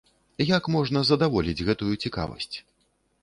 Як можна задаволіць гэтую цікавасць?